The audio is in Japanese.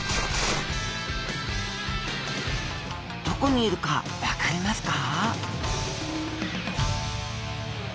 どこにいるか分かりますか？